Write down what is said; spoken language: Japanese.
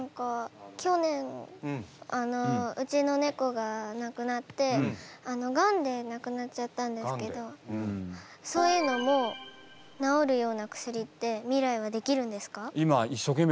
去年うちのネコがなくなってガンでなくなっちゃったんですけどそういうのも治るような薬って未来はできるんですか？